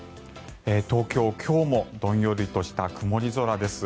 東京、今日もどんよりとした曇り空です。